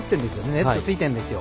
ネットついてるんですよ。